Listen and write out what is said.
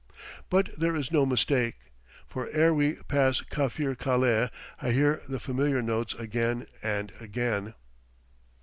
But there is no mistake; for ere we pass Kafir Kaleh, I hear the familiar notes again and again.